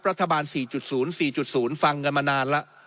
รัฐบาล๔๐๔๐ฟังเงินมานานละ